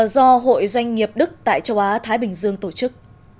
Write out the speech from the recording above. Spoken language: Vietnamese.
do hội doanh nghiệp đức tại châu á thái bình dương tổ chức